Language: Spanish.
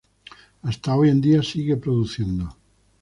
Hasta hoy en día sigue produciendo.